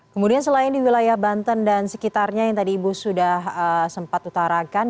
kemudian selain di wilayah banten dan sekitarnya yang tadi ibu sudah sempat utarakan